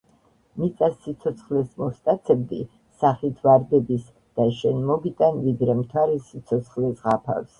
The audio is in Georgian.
მიწას სიცოცხლეს მოვსტაცებდი სახით ვარდების და შენ მოგიტან ვიდრე მთვარე სიცოცხლეს ღაფავს.